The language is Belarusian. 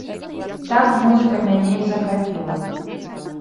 Так музыка мяне і захапіла.